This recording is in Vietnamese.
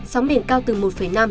sóng biển cao từ một năm hai năm m